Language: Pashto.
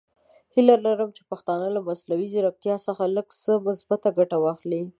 هیله لرم چې پښتانه له مصنوعي زیرکتیا څخه لږ څه مثبته ګټه واخلي.